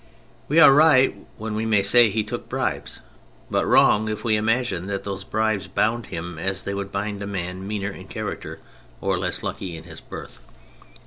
We are right when we say that he took bribes, but wrong if we imagine that those bribes bound him as they would bind a man meaner in character or less lucky in his birth.